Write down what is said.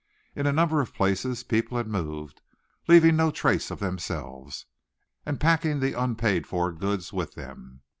In a number of places people had moved, leaving no trace of themselves, and packing the unpaid for goods with them.